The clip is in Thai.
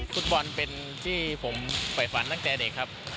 ฟุตบอลเป็นที่ผมฝ่ายฝันตั้งแต่เด็กครับ